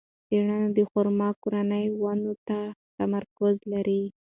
څېړنه د خورما کورنۍ ونو ته تمرکز لري.